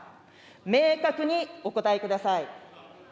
明確にお答えください。